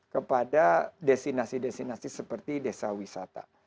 kepada destinasi destinasi seperti desa wisata